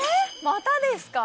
またですか？